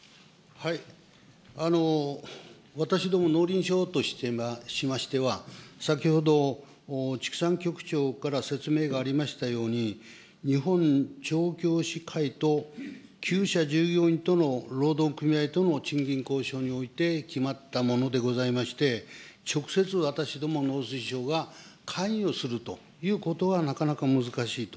私ども農林省としましては、先ほど畜産局長から説明がありましたように、日本調教師会ときゅう舎従業員との労働組合等の賃金交渉において決まったものでございまして、直接私ども農水省が関与するということはなかなか難しいと。